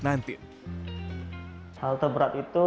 hal terberat itu